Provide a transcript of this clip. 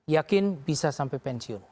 yakin bisa sampai pensiun